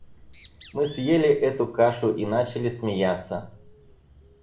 Мы съели эту кашу и начали смеяться.